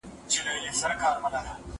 زه هره ورځ درس لولم؟!